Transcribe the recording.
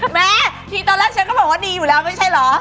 แม่ทีตอนแรกฉันก็บอกว่าดีอยู่แล้วไม่ใช่เหรอ